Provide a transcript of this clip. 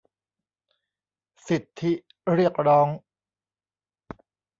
สิทธิเรียกร้อง